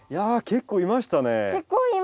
結構いましたね。